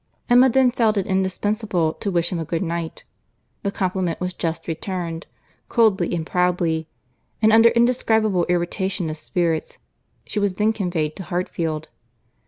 —Emma then felt it indispensable to wish him a good night. The compliment was just returned, coldly and proudly; and, under indescribable irritation of spirits, she was then conveyed to Hartfield.